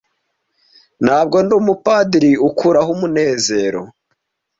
ntabwo ndi umupadiri ukuraho umunezero